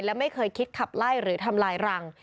และไม่เคยคิดขับไล่หรือทำลายรัง